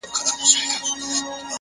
هره هڅه د بریا تخم کرل دي